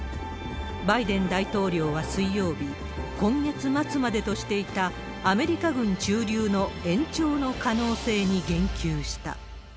バイデン大統領は水曜日、今月末までとしていたアメリカ軍駐留の延長の可能性に言及した。